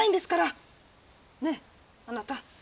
ねえあなた。